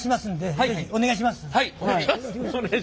はいお願いします！